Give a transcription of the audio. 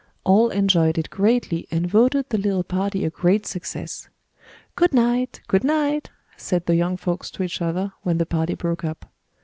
All enjoyed it greatly and voted the little party a great success. "Good night! Good night!" said the young folks to each other, when the party broke up.